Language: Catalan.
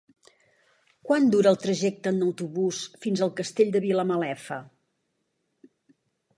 Quant dura el trajecte en autobús fins al Castell de Vilamalefa?